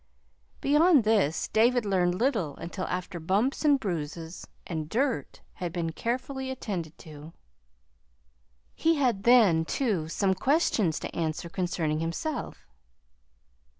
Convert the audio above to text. Beyond this David learned little until after bumps and bruises and dirt had been carefully attended to. He had then, too, some questions to answer concerning himself.